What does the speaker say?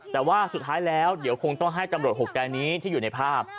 แต่ว่าสุดท้ายแล้วเดี๋ยวคงต้องให้ตำรวจ๖นายนี้ที่อยู่ในภาพ